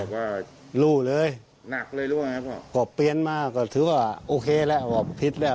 ไปเลยเดี๋ยวผมก็ไม่รู้เหลืองเลย